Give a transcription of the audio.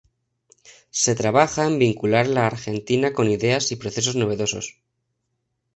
Se trabaja en vincular la Argentina con ideas y procesos novedosos.